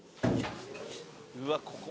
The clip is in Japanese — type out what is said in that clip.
うわここ。